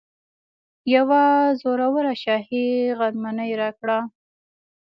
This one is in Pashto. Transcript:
یوه زوروره شاهي غرمنۍ راکړه.